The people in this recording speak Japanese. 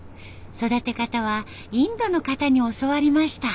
育て方はインドの方に教わりました。